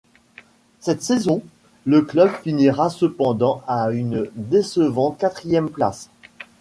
Cette saison, le club finira cependant à une décevante quatrième place.